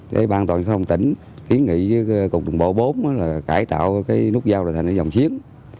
cái bang tòa giao thông tỉnh kiến nghị cùng đồng bộ bốn là cải tạo cái nút giao thành cái dòng chiến